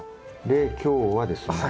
で今日はですね